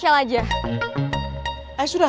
komunikasinya nyames juga